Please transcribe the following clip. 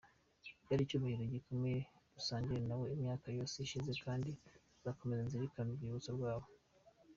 Byari icyubahiro gikomeye gusangira na we imyaka yose ishize kandi nzakomeza nzirikane urwibutso rwawe.